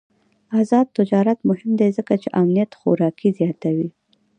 آزاد تجارت مهم دی ځکه چې امنیت خوراکي زیاتوي.